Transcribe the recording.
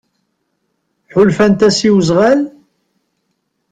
Ḥulfant-as i wezɣal?